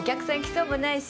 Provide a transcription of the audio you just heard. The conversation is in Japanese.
そうもないし。